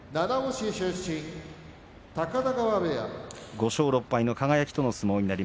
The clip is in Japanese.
５勝６敗の輝との相撲。